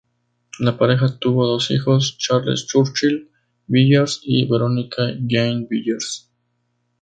La pareja tuvo dos hijos, Charles Churchill Villiers y Veronica Jane Villiers.